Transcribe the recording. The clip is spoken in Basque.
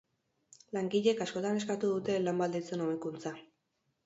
Langileek askotan eskatu dute lan baldintzen hobekuntza.